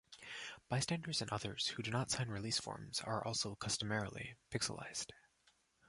Bystanders and others who do not sign release forms are also customarily pixelized.